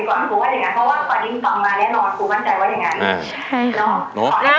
เพราะว่าฟาดินต่อมาแน่นอนคุณมั่นใจว่าอย่างงั้น